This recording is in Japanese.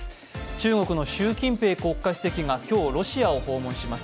中国の習近平国家主席が今日ロシアを訪問します。